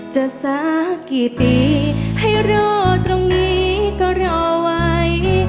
สักกี่ปีให้รอตรงนี้ก็รอไว้